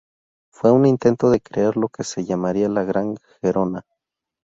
Fue un intento de crear lo que se llamaría la Gran Gerona.